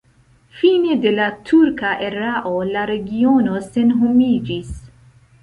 Fine de la turka erao la regiono senhomiĝis.